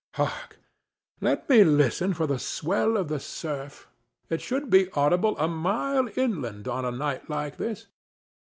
Hark! let me listen for the swell of the surf; it should be audible a mile inland on a night like this.